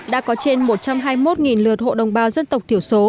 đã có trên một trăm hai mươi một lượt hộ đồng bào dân tộc thiểu số